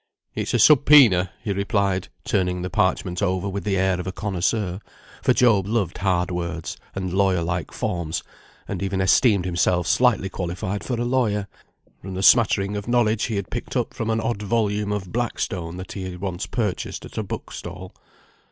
"It's a sub poena," he replied, turning the parchment over with the air of a connoisseur; for Job loved hard words, and lawyer like forms, and even esteemed himself slightly qualified for a lawyer, from the smattering of knowledge he had picked up from an odd volume of Blackstone that he had once purchased at a book stall.